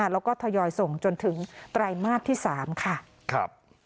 แล้วก็ทยอยส่งจนถึงไตรมาสที่๓ค่ะ